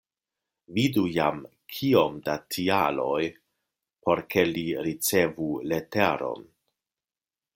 Vidu jam kiom da tialoj por ke li ricevu leteron.